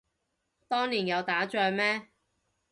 當年有打仗咩